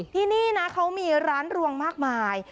ที่นี่นะเขามีร้านรวงมากมาย